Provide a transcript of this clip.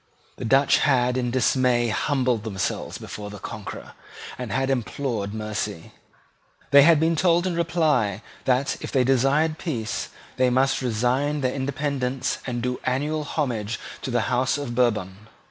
The Dutch had in dismay humbled themselves before the conqueror, and had implored mercy. They had been told in reply that, if they desired peace, they must resign their independence and do annual homage to the House of Bourbon.